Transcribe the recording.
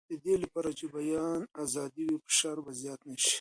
د دې لپاره چې بیان ازاد وي، فشار به زیات نه شي.